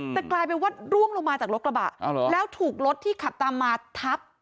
แต่กลายเป็นว่าร่วงลงมาจากรถกระบะแล้วถูกรถที่ขับตามมาทับ